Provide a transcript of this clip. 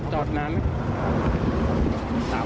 จอดนานนะ